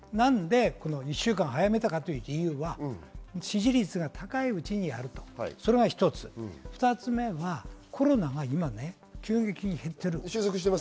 １週間早めた理由は、支持率が高いうちにやるというのが１つ、２つ目はコロナが今、急激に減っています。